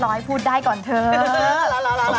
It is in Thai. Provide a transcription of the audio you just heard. ให้พูดได้ก่อนเถอะ